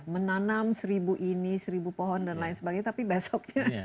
menanam seribu ini seribu pohon dan lain sebagainya tapi besoknya